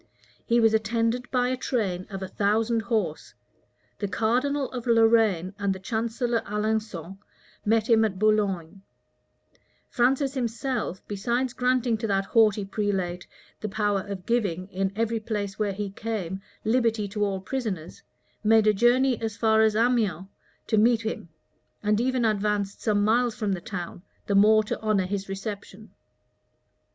He was attended by a train of a thousand horse. The cardinal of Lorraine, and the chancellor Alençon, met him at Boulogne; Francis himself, besides granting to that haughty prelate the power of giving, in every place where he came, liberty to all prisoners, made a journey as far as Amiens to meet him, and even advanced some miles from the town, the more to honor his reception.